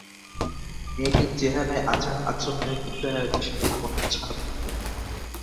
মেয়েটির চেহারায় আচার-আচরণে নিসার আলি শোকের কোনো ছাপ দেখলেন না।